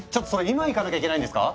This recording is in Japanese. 今行かなきゃいけないんですか？